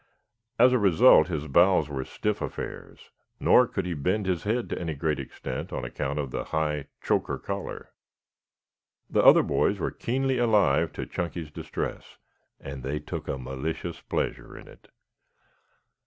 As a result his bows were stiff affairs, nor could he bend his head to any great extent on account of the high "choker" collar. The other boys were keenly alive to Chunky's distress, and they took a malicious pleasure in it.